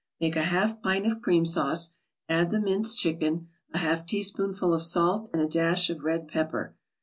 Make a half pint of cream sauce, add the minced chicken, a half teaspoonful of salt and a dash of red pepper.